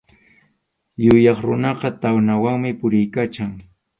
Yuyaq runaqa tawnawanmi puriykachan.